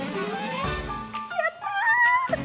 やった！